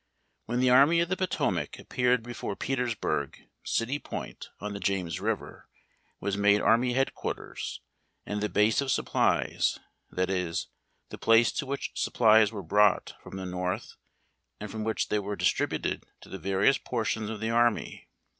When the Army of the Potomac appeared before Peters burg, City Point, on the James River, was made army headquarters and the "base of supplies," that is, the place to which supplies were brought from the North, and from which they were distributed to the various portions of the army.